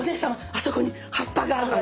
あそこに葉っぱがあるわ！」。